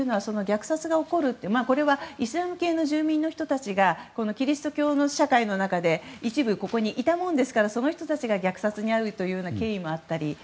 虐殺が起こるってイスラム系の住民の人たちがキリスト教の社会の中で一部、そこにいたものですからその人たちが虐殺に遭うという経緯もあったり